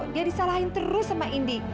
dia disalahin terus sama indi